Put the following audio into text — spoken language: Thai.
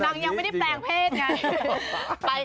ยังไม่ได้แปลงเพศไง